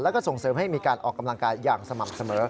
แล้วก็ส่งเสริมให้มีการออกกำลังกายอย่างสม่ำเสมอ